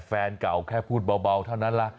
แฟนเก่าแค่พูดเบาเท่านั้นล่ะ